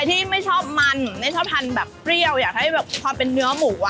ที่ไม่ชอบมันไม่ชอบทานแบบเปรี้ยวอยากให้แบบความเป็นเนื้อหมูอ่ะ